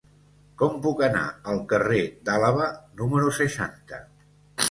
Com puc anar al carrer d'Àlaba número seixanta?